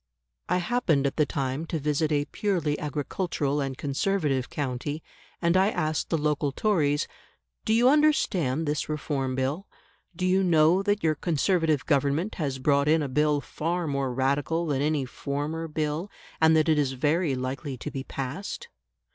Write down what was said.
I happened at the time to visit a purely agricultural and Conservative county, and I asked the local Tories, "Do you understand this Reform Bill? Do you know that your Conservative Government has brought in a Bill far more Radical than any former Bill, and that it is very likely to be passed?"